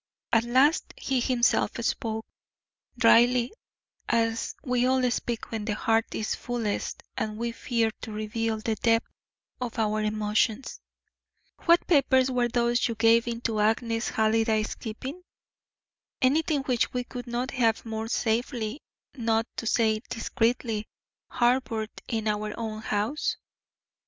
At last he himself spoke, dryly, as we all speak when the heart is fullest and we fear to reveal the depth of our emotions. "What papers were those you gave into Agnes Halliday's keeping? Anything which we could not have more safely, not to say discreetly, harboured in our own house?"